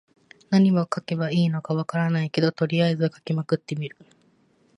何を書けばいいのか分からないけど、とりあえず書きまくってみる。